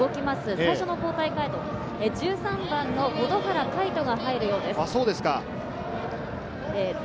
最初の交代カード、１３番の保土原海翔が入るようです。